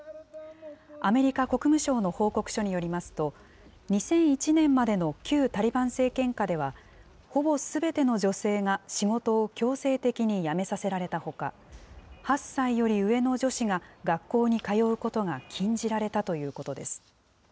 アメリカ国務省の報告書によりますと、２００１年までの旧タリバン政権下では、ほぼすべての女性が仕事を強制的に辞めさせられたほか、８歳より上の女子が、学校に通うことが禁じられたということです。